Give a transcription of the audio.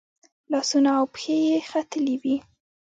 لاسونه او پښې یې ختلي وي.